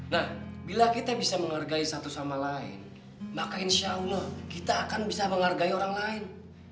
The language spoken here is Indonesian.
nah bila kita bisa menghargai satu sama lain maka insya allah kita akan bisa menghargai orang lain